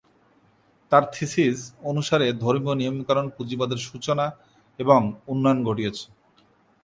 তার থিসিস অনুসারে ধর্মীয় নিয়মকানুন পুঁজিবাদের সূচনা এবং উন্নয়ন ঘটিয়েছে।